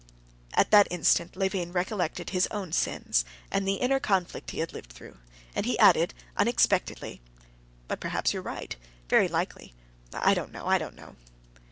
At that instant Levin recollected his own sins and the inner conflict he had lived through. And he added unexpectedly: "But perhaps you are right. Very likely ... I don't know, I don't know."